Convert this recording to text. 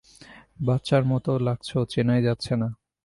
বাচ্চার মত লাগছ, চেনাই যাচ্ছে না।